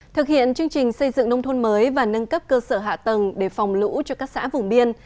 thực hiện chương trình xây dựng nông thôn mới và nâng cấp cơ sở hạ tầng để phòng lũ cho các xã vùng biên